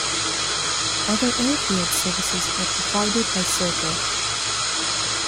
Other airfield services are provided by Serco.